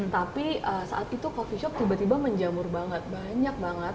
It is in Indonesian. tapi saat itu coffee shop tiba tiba menjamur banget banyak banget